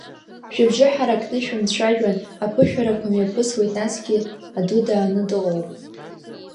Шәыбжьы ҳаракны шәымцәажәан, аԥышәарақәа мҩаԥысуеит, насгьы аду дааны дыҟоуп.